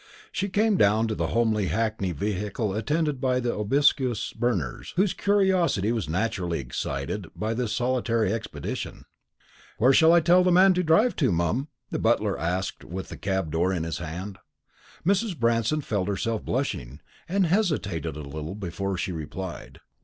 She came down to the homely hackney vehicle attended by the obsequious Berners, whose curiosity was naturally excited by this solitary expedition. "Where shall I tell the man to drive, mum?" the butler asked with the cab door in his hand. Mrs. Branston felt herself blushing, and hesitated a little before she replied.